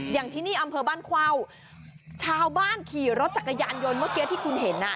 อย่างที่นี่อำเภอบ้านเข้าชาวบ้านขี่รถจักรยานยนต์เมื่อกี้ที่คุณเห็นน่ะ